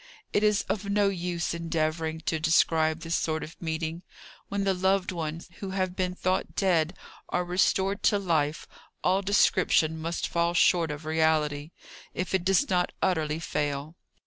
It is of no use endeavouring to describe this sort of meeting. When the loved who have been thought dead, are restored to life, all description must fall short of reality, if it does not utterly fail.